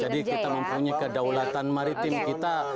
jadi kita mempunyai kedaulatan maritim kita